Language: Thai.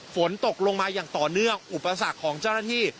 ฝนตกลงมาอย่างต่อเนื่องอุปสรรคของเจ้าหน้าที่